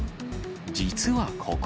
実はここ。